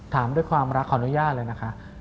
ถามด้วยความรักขออนุญาตเลยนะคะ